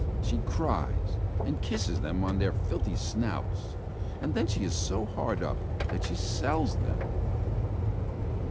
She cries, and kisses them on their filthy snouts. And then she is so hard up that she sells them.